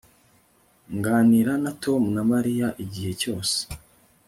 Nganira na Tom na Mariya igihe cyose